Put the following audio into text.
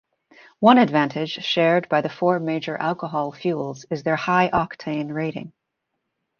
One advantage shared by the four major alcohol fuels is their high octane rating.